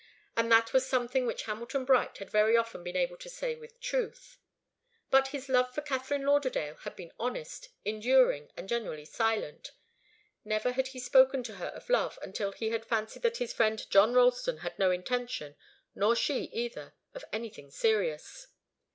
And that was something which Hamilton Bright had very often been able to say with truth. But his love for Katharine Lauderdale had been honest, enduring and generally silent. Never had he spoken to her of love until he had fancied that his friend John Ralston had no intention, nor she, either, of anything serious.